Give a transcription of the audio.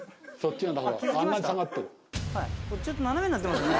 ちょっと斜めになってますよね。